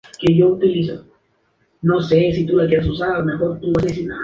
Finalmente se certifican la empresa, y la metodología para el desarrollo de la aplicación.